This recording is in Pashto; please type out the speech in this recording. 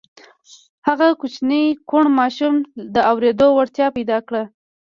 هغه کوچني کوڼ ماشوم د اورېدو وړتیا پیدا کړه